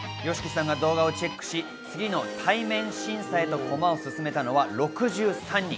ＹＯＳＨＩＫＩさんが動画をチェックし、次の対面審査へと駒を進めたのは６３人。